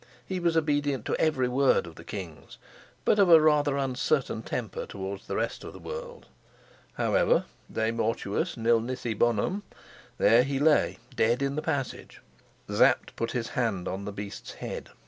He was obedient to every word of the king's, but of a rather uncertain temper towards the rest of the world. However, de mortuis nil nisi bonum; there he lay dead in the passage. Sapt put his hand on the beast's head.